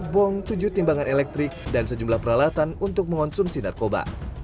bong tujuh timbangan elektrik dan sejumlah peralatan untuk mengonsumsi narkoba